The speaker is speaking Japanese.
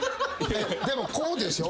でもこうでしょ？